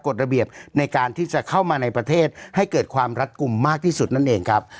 ระเบียบในการที่จะเข้ามาในประเทศให้เกิดความรัดกลุ่มมากที่สุดนั่นเองครับ